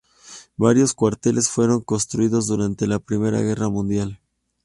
Varios cuarteles fueron construidos durante la Primera Guerra Mundial.